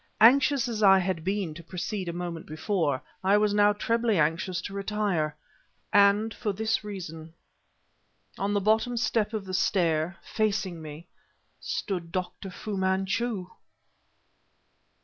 Anxious as I had been to proceed a moment before, I was now trebly anxious to retire, and for this reason: on the bottom step of the stair, facing me, stood Dr. Fu Manchu!